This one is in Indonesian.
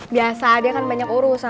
biasa dia kan kesukaan kapabilan